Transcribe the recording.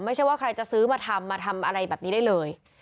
ไม่ใช่ว่าใครจะซื้อมาทำมาทำอะไรแบบนี้ได้เลย